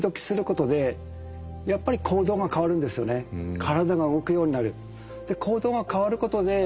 体が動くようになる。